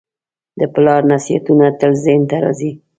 د پلار نصیحتونه تل ذهن ته راځي.